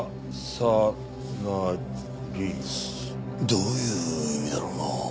どういう意味だろうな？